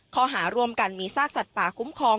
ข้อหาร่วมกันมีซากสัตว์ป่าคุ้มครอง